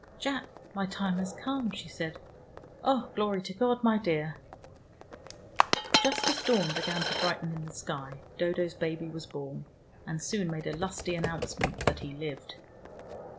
"Jack, my time has come," she said. "Oh, glory to God, my dear!" Just as dawn began to brighten in the sky, Dodo's baby was born, and soon made a lusty announcement that he lived.